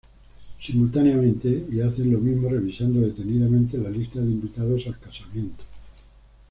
Simultáneamente y hacen lo mismo revisando detenidamente la lista de invitados al casamiento.